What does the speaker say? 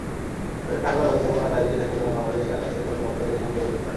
পরে কার্গো ব্যবস্থাপনার দায়িত্বে থাকা বিমান বাংলাদেশ এয়ারলাইনসের কর্মকর্তাদের সঙ্গে বৈঠক করেন।